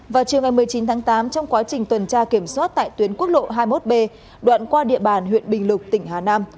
vào chiều ngày một mươi chín tháng tám trong quá trình tuần tra kiểm soát tại tuyến quốc lộ hai mươi một b đoạn qua địa bàn huyện bình lục tỉnh hà nam